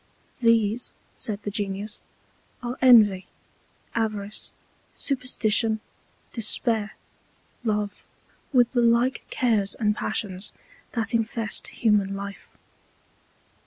These, said the Genius, are Envy, Avarice, Superstition, Despair, Love, with the like Cares and Passions that infest human Life.